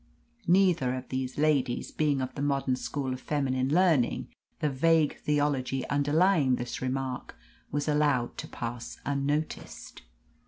Neither of these ladies being of the modern school of feminine learning, the vague theology underlying this remark was allowed to pass unnoticed.